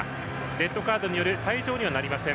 レッドカードによる退場にはなりません。